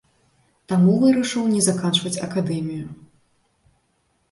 Таму вырашыў не заканчваць акадэмію.